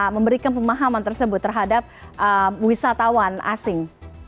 memberikan pemahaman tersebut terhadap wisatawan asing